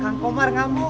tidak ada yang tahu